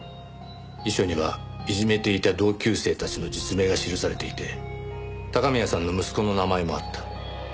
遺書にはいじめていた同級生たちの実名が記されていて高宮さんの息子の名前もあった。